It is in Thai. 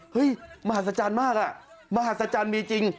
เฮ่ยมหัศจรรย์มากมหัศจรรย์มีจริง